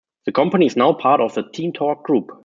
The company is now part of the TeamTalk Group.